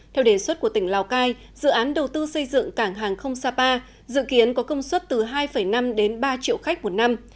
theo đề xuất của tỉnh lào cai dự án đầu tư xây dựng cảng hàng không sapa dự kiến có công suất từ hai năm đến ba triệu khách một năm